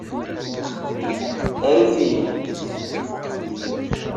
Arut-iyi-n!